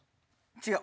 違う！